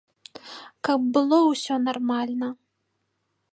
Каб было ўсё нармальна.